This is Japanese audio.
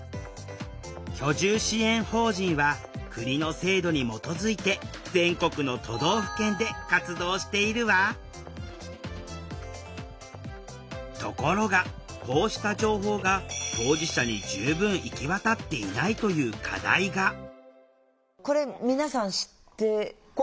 居住支援法人は国の制度に基づいて全国のところがこうした情報が当事者に十分行き渡っていないという課題がこれ皆さん知ってご存じですか？